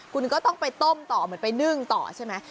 คุณก็ต้องไปต้มต่อเหมือนไปนึ่งต่อใช่ไหม